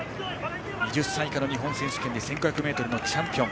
２０歳以下の日本選手権１５００ｍチャンピオン。